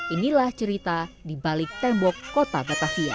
inilah cerita di balik tembok kota batavia